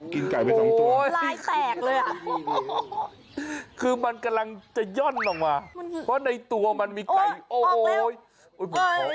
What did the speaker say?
กินไก่ไป๒ตัวโอ้โหคือมันกำลังจะย่อนออกมาเพราะในตัวมันมีไก่โอ้โห